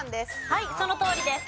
はいそのとおりです。